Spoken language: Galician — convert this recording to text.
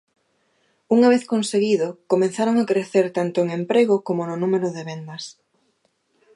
Unha vez conseguido comezaron a crecer tanto en emprego como no número de vendas.